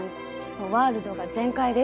ワールドが全開です。